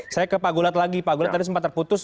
saya ke pak gulat lagi pak gulat tadi sempat terputus